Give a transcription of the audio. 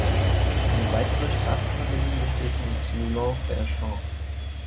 Eine weitere Straßenverbindung besteht mit Loulans-Verchamp.